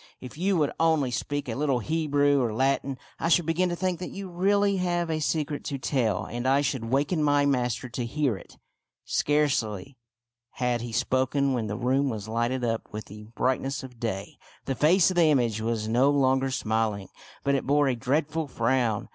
If you would only speak a little Hebrew or Latin, I should begin to think that you really have a secret to tell, and I should waken my master to hear it." Scarcely had he spoken when the room was lighted up with the brightness of day. The face of the image was no longer smiling, but it bore a dreadful frown.